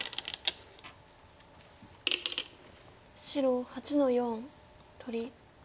白８の四取り。